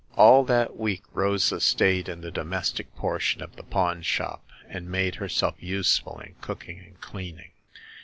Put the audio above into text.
*' All that week Rosa stayed in the domestic portion of the pawn shop, and made herself use ful in cooking and cleaning.